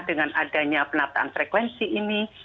dengan adanya penataan frekuensi ini